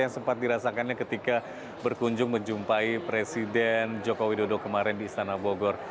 yang sempat dirasakannya ketika berkunjung menjumpai presiden joko widodo kemarin di istana bogor